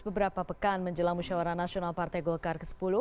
beberapa pekan menjelang musyawara nasional partai golkar ke sepuluh